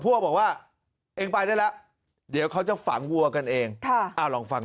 บอกว่าเองไปได้แล้วเดี๋ยวเขาจะฝังวัวกันเองลองฟัง